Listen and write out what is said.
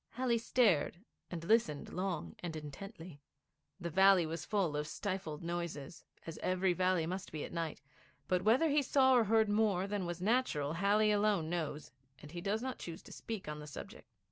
Halley stared and listened long and intently. The valley was full of stifled noises, as every valley must be at night; but whether he saw or heard more than was natural Halley alone knows, and he does not choose to speak on the subject.